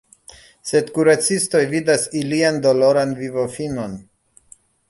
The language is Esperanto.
Sed kuracistoj vidas ilian doloran vivofinon.